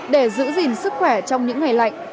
để giữ gìn sức khỏe trong những ngày lạnh